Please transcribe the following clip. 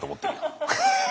ハハハハ。